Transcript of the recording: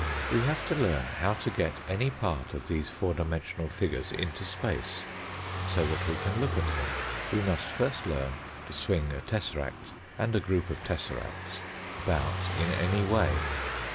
We have to learn how to get any part of these four dimensional figures into space, so that we can look at them. We must first learn to swing a tesseract, and a group of tesseracts about in any way.